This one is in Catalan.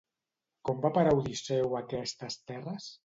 Com va a parar Odisseu a aquestes terres?